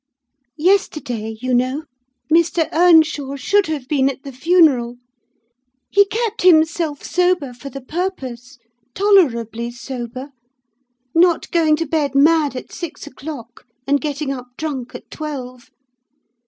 "Yesterday, you know, Mr. Earnshaw should have been at the funeral. He kept himself sober for the purpose—tolerably sober: not going to bed mad at six o'clock and getting up drunk at twelve.